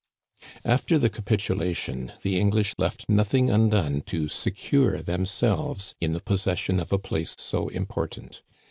After the capitulation the English left nothing un done to secure themselves in the possession of a place so important.